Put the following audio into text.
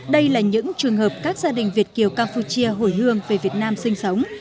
đây là những trường hợp các gia đình việt kiều campuchia hồi hương về việt nam sinh sống